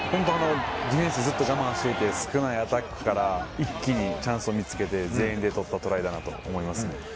ディフェンスは我慢していて、少ないアタックからチャンスを見つけて全員で取ったトライだと思います。